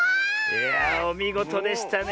いやおみごとでしたねえ。